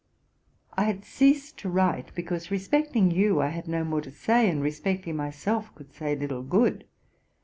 I had ceased to write, because respecting you I had no more to say, and respecting myself could say little good.